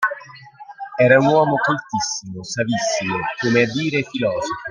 Era uomo coltissimo, savissimo, come a dire filosofo.